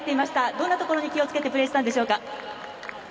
どんなところに気をつけてプレーしたんでしょうか。